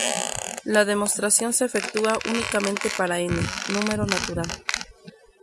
La demostración se efectúa únicamente para n, número natural.